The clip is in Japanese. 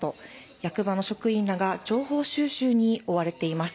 役場の職員らが情報収集に追われています。